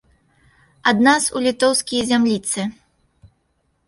Ад нас у літоўскія зямліцы.